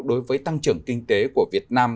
đối với tăng trưởng kinh tế của việt nam